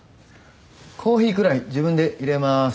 コーヒーくらい自分で入れます。